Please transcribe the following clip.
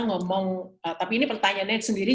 ngomong tapi ini pertanyaannya sendiri